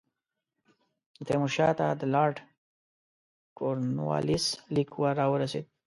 د تیمور شاه ته د لارډ کورنوالیس لیک را ورسېد.